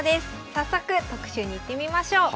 早速特集にいってみましょう。